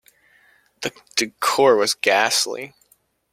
The decor was ghastly.